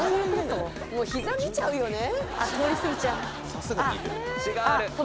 もう膝見ちゃうよね。